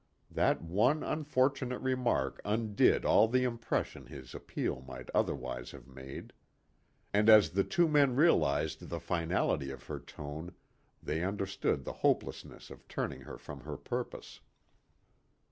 That one unfortunate remark undid all the impression his appeal might otherwise have made. And as the two men realized the finality of her tone, they understood the hopelessness of turning her from her purpose.